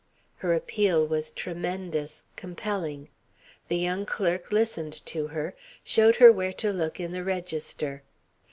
Her appeal was tremendous, compelling. The young clerk listened to her, showed her where to look in the register.